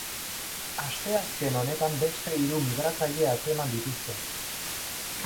Asteazken honetan beste hiru migratzaile atzeman dituzte.